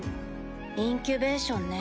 インキュベーションね。